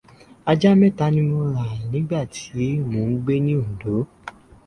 Ajá mẹ́ta ni mo rà nígbà tí mo ń gbé ní Oǹdó.